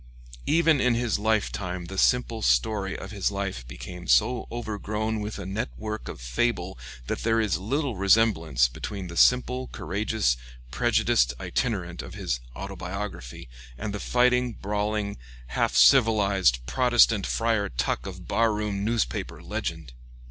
Even in his lifetime the simple story of his life became so overgrown with a net work of fable that there is little resemblance between the simple, courageous, prejudiced itinerant of his "Autobiography" and the fighting, brawling, half civilized, Protestant Friar Tuck of bar room newspaper legend.